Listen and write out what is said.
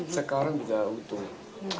sekarang udah utuh